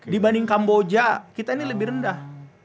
dibanding kamboja kita ini lebih rendah